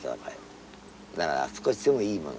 だから少しでもいいものがいい。